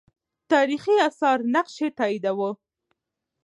تاریخي آثار نقش یې تاییداوه.